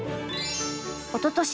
おととし